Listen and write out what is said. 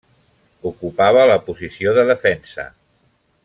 Ocupava la posició de defensa.